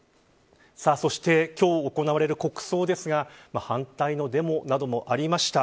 そして、今日行われる国葬ですが反対のデモなどもありました。